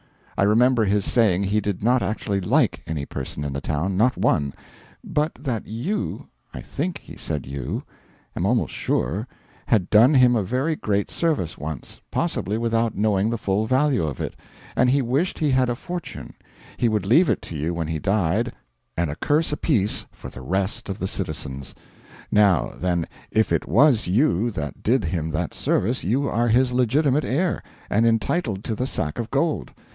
I remember his saying he did not actually LIKE any person in the town not one; but that you I THINK he said you am almost sure had done him a very great service once, possibly without knowing the full value of it, and he wished he had a fortune, he would leave it to you when he died, and a curse apiece for the rest of the citizens. Now, then, if it was you that did him that service, you are his legitimate heir, and entitled to the sack of gold.